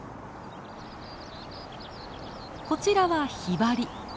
こちらはヒバリ。